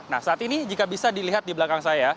nah saat ini jika bisa dilihat di belakang saya